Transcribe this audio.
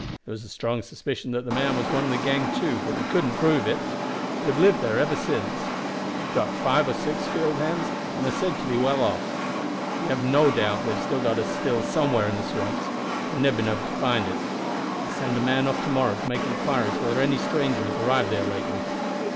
There was a strong suspicion that the man was one of the gang too, but we couldn't prove it. They have lived there ever since. They have got five or six field hands, and are said to be well off. We have no doubt they have got a still somewhere in the swamps, but we have never been able to find it. I will send a man off to morrow to make inquiries whether any stranger has arrived there lately.